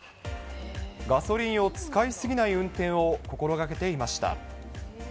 ガソリンを使い過ぎない運転を心がけていました。